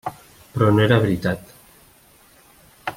Però no era veritat.